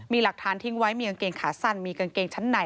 มีหลักฐานทิ้งไว้มีกางเกงขาสั้นมีกางเกงชั้นใน